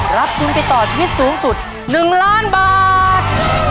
รับทุนไปต่อชีวิตสูงสุด๑ล้านบาท